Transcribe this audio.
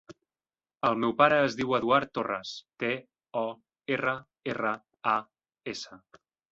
El meu pare es diu Eduard Torras: te, o, erra, erra, a, essa.